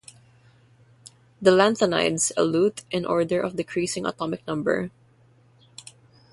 The lanthanides elute in order of decreasing atomic number.